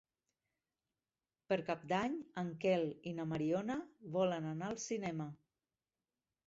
Per Cap d'Any en Quel i na Mariona volen anar al cinema.